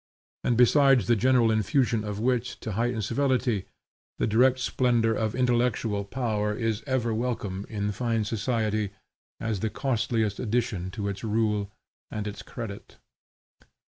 And besides the general infusion of wit to heighten civility, the direct splendor of intellectual power is ever welcome in fine society as the costliest addition to its rule and its credit.